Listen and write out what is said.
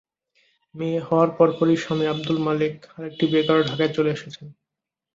মেয়ে হওয়ার পরপরই স্বামী আবদুল মালেক আরেকটি বিয়ে করে ঢাকায় চলে এসেছেন।